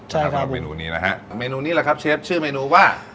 ใช่ครับเมนูนี้นะฮะเมนูนี้แหละครับเชฟชื่อเมนูว่า